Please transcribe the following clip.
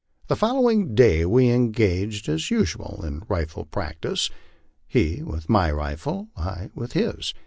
The following day we engaged as usual in rifle practice, he with my rifle, I with his.